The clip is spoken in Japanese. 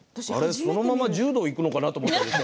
そのまま柔道いくのかと思ったでしょう？